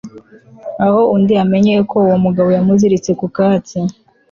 aho undi amenyeye ko uwo mugabo yamuziritse ku katsi